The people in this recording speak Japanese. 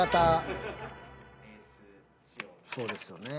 そうですよね。